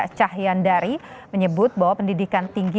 menyebut bahwa pendidikan tinggi tinggi adalah kepentingan pendidikan tinggi